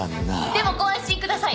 でもご安心ください！